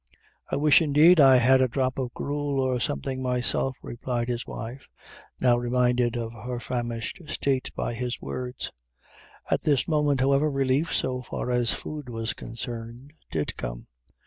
"I wish, indeed, I had a drop o' gruel or something myself," replied his wife, now reminded of her famished state by his words. At this moment, however, relief, so far as food was concerned, did come.